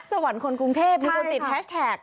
สวรรค์คนกรุงเทพฯมีคุณติดแฮชแท็ก